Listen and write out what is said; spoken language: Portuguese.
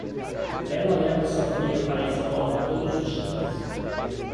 Ela leva sua filha para a escola todos os dias.